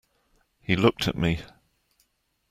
He looked at me.